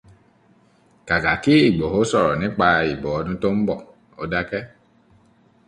Kàkà kí Ìgbòho sọ̀rọ̀ nípa ìbò ọdún tó ń bọ̀, ó dákẹ́